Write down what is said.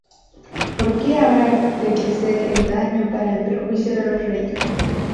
¿por qué habrá de crecer el daño para perjuicio de los reyes?